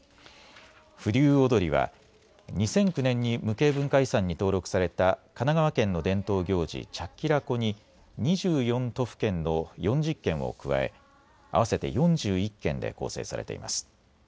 風流踊は２００９年に無形文化遺産に登録された神奈川県の伝統行事、チャッキラコに２４都府県の４０件を加え合わせて４１件で構成されています。